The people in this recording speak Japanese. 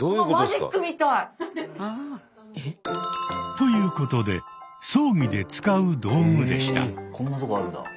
ということで「葬儀で使う道具」でした。